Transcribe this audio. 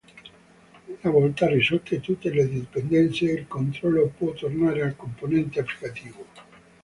Una volta risolte tutte le dipendenze, il controllo può tornare al componente applicativo.